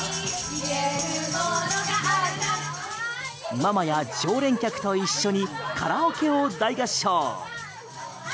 ママや常連客と一緒にカラオケを大合唱。